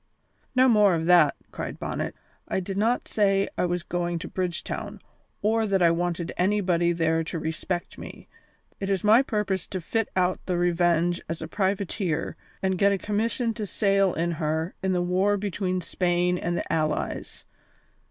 "No more of that," cried Bonnet. "I did not say I was going to Bridgetown, or that I wanted anybody there to respect me. It is my purpose to fit out the Revenge as a privateer and get a commission to sail in her in the war between Spain and the Allies.